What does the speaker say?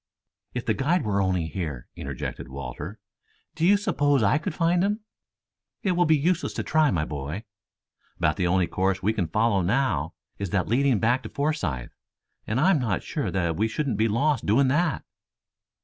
"If the guide were only here!" interjected Walter. "Do you suppose I could find him?" "It will be useless to try, my boy. About the only course we can follow now, is that leading back to Forsythe, and I am not sure that we shouldn't be lost doing that."